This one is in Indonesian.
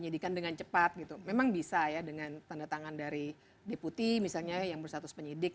dengan tanda tangan dari deputi misalnya yang berstatus penyidik